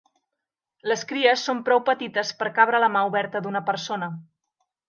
Les cries són prou petites per cabre a la mà oberta d'una persona.